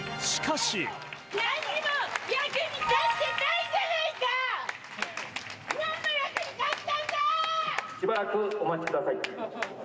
しばらくお待ちください。